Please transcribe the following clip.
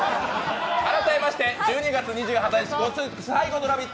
改めまして、１２月２８日今年最後の「ラヴィット！」